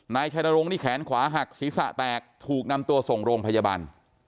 นายชัยนรงค์นี่แขนขวาหักศีรษะแตกถูกนำตัวส่งโรงพยาบาล